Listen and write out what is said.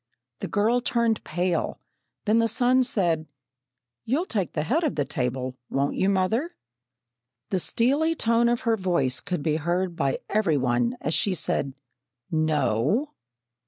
The girl turned pale, then the son said: "You'll take the head of the table, won't you, mother?" The steely tone of her voice could be heard by every one as she said, "No!"